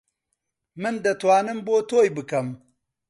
من دەتوانم بۆ تۆی بکەم.